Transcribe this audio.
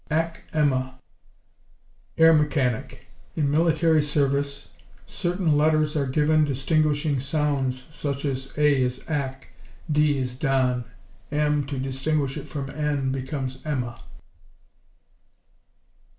Ack Emma Air Mechanic. In military service certain letters are given distinguishing sounds, such as, A is Ack, D is Don, M, to distinguish it from N, becomes Emma.